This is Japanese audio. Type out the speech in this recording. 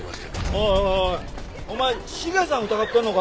おいおいお前茂さん疑ってるのか？